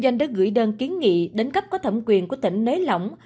cơ sở kinh doanh đã gửi đơn kiến nghị đến cấp có thẩm quyền của tỉnh nới lỏng